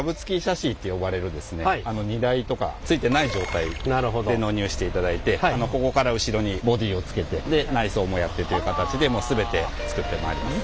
荷台とかついてない状態で納入していただいてここから後ろにボディーをつけてで内装もやってという形で全て作ってまいります。